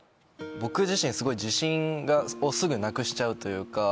僕自身すごい自信をすぐなくしちゃうというか。